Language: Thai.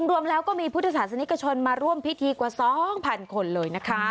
รวมแล้วก็มีพุทธศาสนิกชนมาร่วมพิธีกว่า๒๐๐คนเลยนะคะ